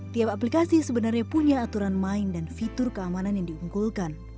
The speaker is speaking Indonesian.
tiap aplikasi sebenarnya punya aturan main dan fitur keamanan yang diunggulkan